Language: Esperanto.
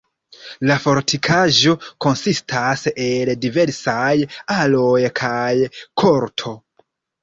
La fortikaĵo konsistas el diversaj aloj kaj korto.